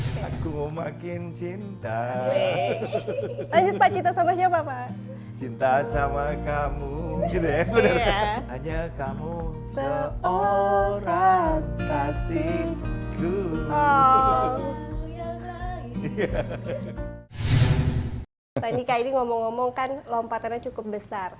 bagi andika ini ngomong ngomong kan lompatannya cukup besar